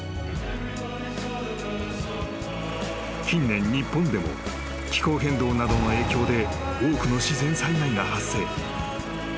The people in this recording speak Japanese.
［近年日本でも気候変動などの影響で多くの自然災害が発生］